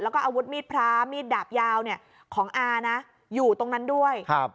แล้วก็อาวุธมีดพระมีดดาบยาวเนี่ยของอานะอยู่ตรงนั้นด้วยครับ